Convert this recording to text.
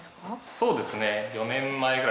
そうですね。